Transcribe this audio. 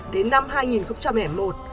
đến năm hai nghìn một